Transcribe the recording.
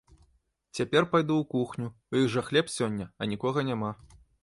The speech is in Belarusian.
Цяпер пайду ў кухню, у іх жа хлеб сёння, а нікога няма.